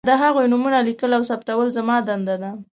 بیا د هغوی نومونه لیکل او ثبتول زما دنده ده.